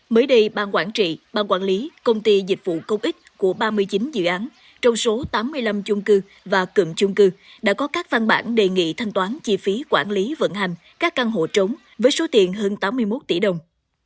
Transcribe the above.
mới đây ban quản trị ban quản lý công ty dịch vụ công ích của ba mươi chín dự án trong số tám mươi năm chung cư và cầm chung cư đã có các văn bản đề nghị thanh toán chi phí quản lý vận hành các căn hộ trống với số tiền hơn tám mươi một tỷ đồng